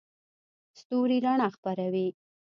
ستوري رڼا خپروي.